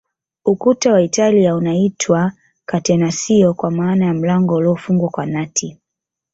Ukuta wa Italia unaitwa Catenacio kwa maana ya mlango uliofungwa kwa nati